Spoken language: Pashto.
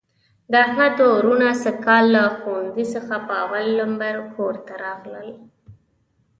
د احمد دوه وروڼه سږ کال له ښوونځي څخه په اول لمبر کورته راغلل.